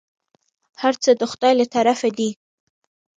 هرڅه د خداى له طرفه دي.